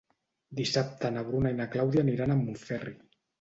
Dissabte na Bruna i na Clàudia aniran a Montferri.